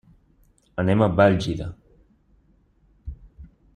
Anem a Bèlgida.